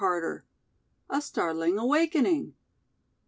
CHAPTER XVI. A STARTLING AWAKENING.